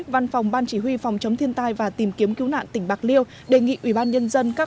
văn phòng ban chỉ huy phòng chống thiên tai và tìm kiếm cứu nạn tỉnh bạc liêu đề nghị ubnd các